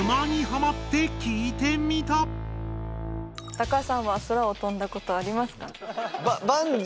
高橋さんは空を飛んだことありますか？